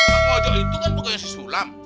bang ojo itu kan bukan si sulam